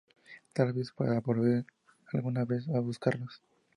Tal vez para volver alguna vez a buscarlos.